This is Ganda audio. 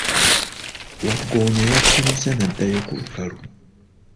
Waggoonya yakiriza n'addayo ku lukalu.